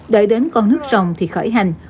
đợi đến con nước rồng thì khỏi hẹn